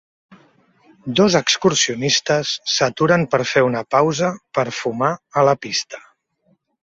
Dos excursionistes s'aturen per fer una pausa per fumar a la pista.